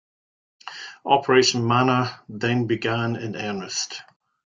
Operation Manna then began in earnest.